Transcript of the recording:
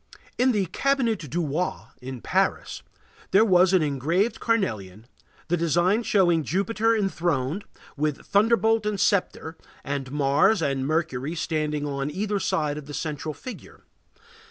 In the Cabinet du Roi, in Paris, there was an engraved carnelian, the design showing Jupiter enthroned, with thunderbolt and sceptre, and Mars and Mercury standing on either side of the central figure.